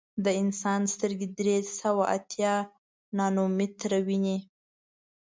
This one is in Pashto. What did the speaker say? د انسان سترګې درې سوه اتیا نانومیټره ویني.